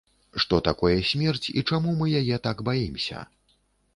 Што такое смерць і чаму мы яе так баімся?